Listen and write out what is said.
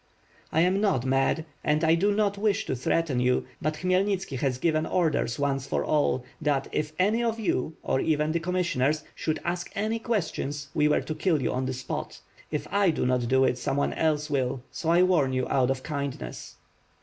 ^T am not mad, and I do not wish to threaten you; but Khmyelnitski has given orders once for all, that if any of you, or even the commissioners, should ask any questions, we were to kill you on the spot. If I do not do it, some one else will, so I warn you out of kindness."